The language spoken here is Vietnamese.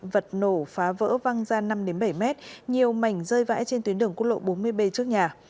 vật nổ phá vỡ văng ra năm bảy mét nhiều mảnh rơi vãi trên tuyến đường quốc lộ bốn mươi b trước nhà